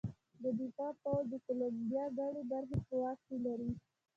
د دفاع پوځ د کولمبیا ګڼې برخې په واک کې لرلې.